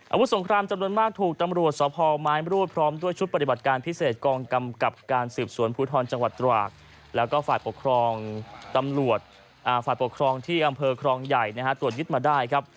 อาวุธสงครามจำนวนมากถูกตำรวจสพไม้มรูดพร้อมด้วยชุดปฏิบัติการพิเศษกองกำกับการสืบสวนภูทรจังหวัดตรากแล้วก็ฝ่ายปกครองตำรวจฝ่ายปกครองที่อำเภอครองใหญ่ตรวจยึดมาได้ครับ